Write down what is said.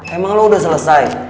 emang lo udah selesai